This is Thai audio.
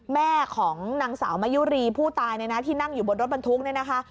แม่ของนางสาวมะยุรีผู้ตายที่นั่งอยู่บนรถบรรทุก